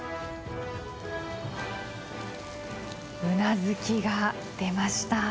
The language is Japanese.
うなずきが出ました。